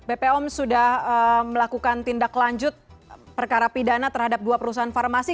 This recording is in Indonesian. bpom sudah melakukan tindak lanjut perkara pidana terhadap dua perusahaan farmasi